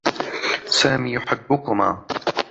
سامي يحبّكما.